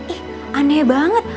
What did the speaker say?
ih aneh banget